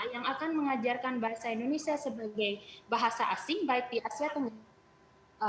yang akan mengajarkan bahasa indonesia sebagai bahasa asing baik di asia tenggara